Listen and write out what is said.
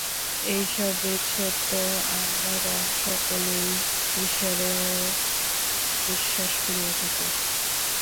এইসব ভেদ-সত্ত্বেও আমরা সকলেই ঈশ্বরে বিশ্বাস করিয়া থাকি।